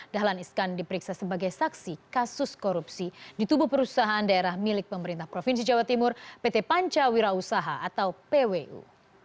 dahlan iskan diperiksa sebagai saksi kasus korupsi di tubuh perusahaan daerah milik pemerintah provinsi jawa timur pt pancawira usaha atau pwu